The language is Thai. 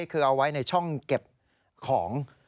คือเอาไว้ในช่องเก็บของ